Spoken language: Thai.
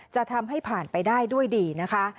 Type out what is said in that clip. จะทำให้ผ่านไปได้ด้วยดีนะคะ